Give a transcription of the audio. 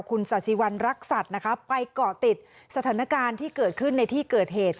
คุณสาธิวันรักษัตริย์นะคะไปเกาะติดสถานการณ์ที่เกิดขึ้นในที่เกิดเหตุ